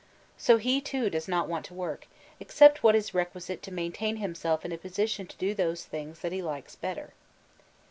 So he, too, does not want to work, except what is requisite to maintain himself in a position to do those things that he likes better.